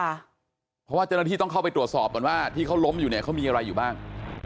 เพราะว่าเจ้าหน้าที่ต้องเข้าไปตรวจสอบก่อนว่าที่เขาล้มอยู่เนี่ยเขามีอะไรอยู่บ้าง